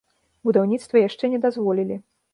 Будаўніцтва яшчэ не дазволілі.